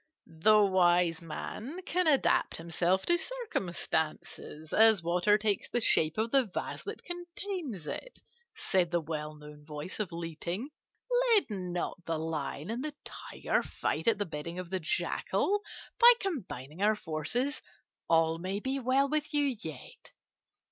"'The wise man can adapt himself to circumstances as water takes the shape of the vase that contains it,' said the well known voice of Li Ting. 'Let not the lion and the tiger fight at the bidding of the jackal. By combining our forces all may be well with you yet.